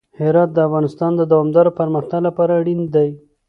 هرات د افغانستان د دوامداره پرمختګ لپاره اړین دی.